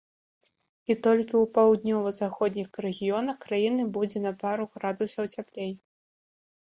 І толькі ў паўднёва-заходніх рэгіёнах краіны будзе на пару градусаў цяплей.